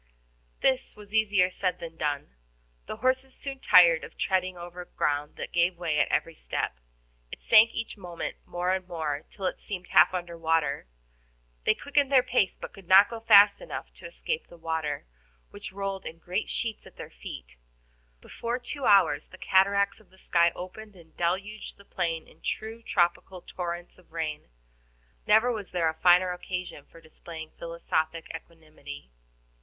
This was easier said than done. The horses soon tired of treading over ground that gave way at every step. It sank each moment more and more, till it seemed half under water. They quickened their pace, but could not go fast enough to escape the water, which rolled in great sheets at their feet. Before two hours the cataracts of the sky opened and deluged the plain in true tropical torrents of rain. Never was there a finer occasion for displaying philosophic equanimity.